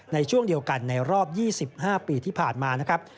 ในช่วงเดียวกันในรอบ๒๕ปีที่ผ่านมานะครับ